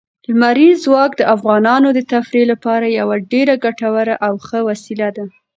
لمریز ځواک د افغانانو د تفریح لپاره یوه ډېره ګټوره او ښه وسیله ده.